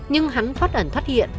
nhưng hắn phát ẩn phát hiện